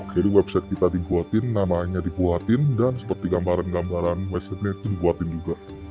jadi website kita dibuatin namanya dibuatin dan seperti gambaran gambaran website nya itu dibuatin juga